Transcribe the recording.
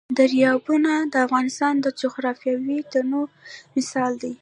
دریابونه د افغانستان د جغرافیوي تنوع مثال دی.